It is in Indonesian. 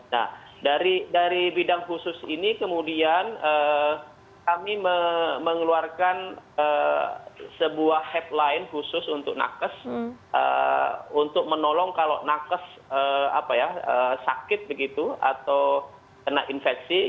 nah dari bidang khusus ini kemudian kami mengeluarkan sebuah headline khusus untuk nakes untuk menolong kalau nakes sakit begitu atau kena infeksi